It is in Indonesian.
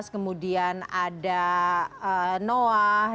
kemudian ada noah